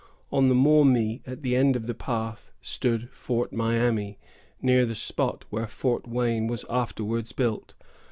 On the Maumee, at the end of the path, stood Fort Miami, near the spot where Fort Wayne was afterwards built.